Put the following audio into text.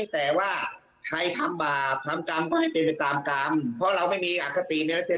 แต่ว่าใครทำบาปทำกรรมก็ให้เป็นไปตามกรรมเพราะว่าเราไม่มีอักษรีในรักษณะ